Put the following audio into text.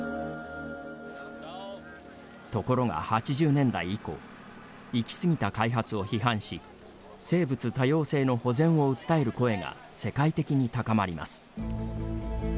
ところが８０年代以降いきすぎた開発を批判し生物多様性の保全を訴える声が世界的に高まります。